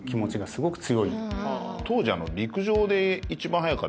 当時。